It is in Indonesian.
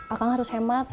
akang harus hemat